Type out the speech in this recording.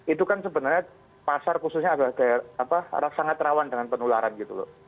itu kan sebenarnya pasar khususnya adalah sangat rawan dengan penularan gitu loh